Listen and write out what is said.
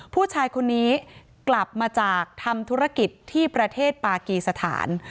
ผู้ชายคนนี้กลับมาจากทำธุรกิจที่ประเทศปากีสถาน